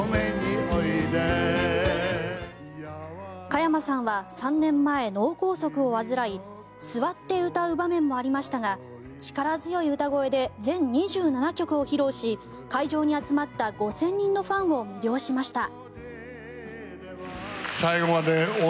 加山さんは３年前、脳梗塞を患い座って歌う場面もありましたが力強い歌声で全２７曲を披露し会場に集まった５０００人のファンを魅了しました。